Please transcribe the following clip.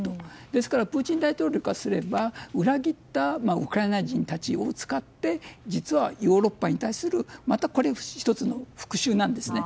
ですからプーチン大統領からすれば裏切ったウクライナ人たちを使って実はヨーロッパに対するまたこれは１つの復讐なんですね。